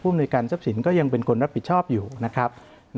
ในการทรัพย์สินก็ยังเป็นคนรับผิดชอบอยู่นะครับ